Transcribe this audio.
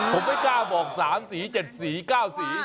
ผมไม่กล้าบอก๓สี๗สี๙สี